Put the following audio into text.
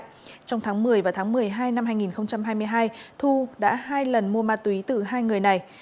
trong tháng một mươi và tháng một mươi hai năm hai nghìn hai mươi hai thu đã hai lần mua ma túy từ hai người này